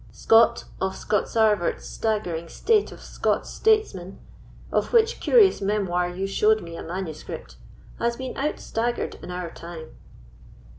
Scott of Scotsarvet's Staggering State of Scots Statesmen, of which curious memoir you showed me a manuscript, has been outstaggered in our time."